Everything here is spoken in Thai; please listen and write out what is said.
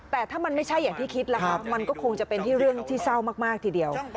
แต่ถ้ามันไม่ใช่อย่างที่คิดล่ะคะมันก็คงจะเป็นที่เรื่องที่เศร้ามากทีเดียว